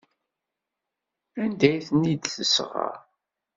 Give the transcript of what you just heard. Anda ay ten-id-tesɣa?